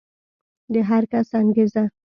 د هر کس انګېزه